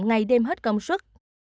ngày đêm hết công suất